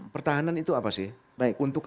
pertahanan itu apa sih baik untuk